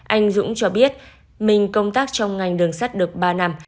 anh dũng cho biết mình công tác trong ngành đường sắt được ba năm